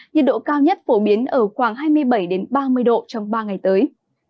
nhiệt độ cao nhất phổ biến ở khoảng hai mươi bảy ba mươi độ trong ba ngày tới